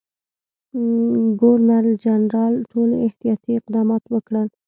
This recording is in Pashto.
ګورنرجنرال ټول احتیاطي اقدامات وکړل.